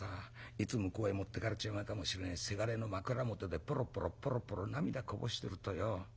いつ向こうへ持ってかれちまうかもしれねえせがれの枕元でぽろぽろぽろぽろ涙こぼしてるとよ。